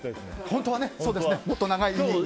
本当はもっと長いのをね。